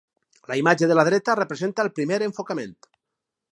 La imatge de la dreta representa el primer enfocament.